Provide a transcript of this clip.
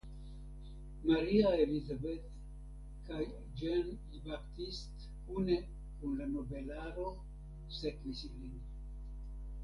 Marie Elizabeth kaj Jean Baptiste kune kun la nobelaro sekvis ilin.